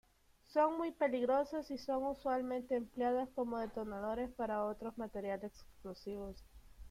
Son muy peligrosas, y son usualmente empleadas como detonadores para otros materiales explosivos.